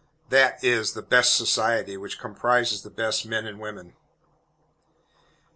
That is the "best society," which comprises the best men and women.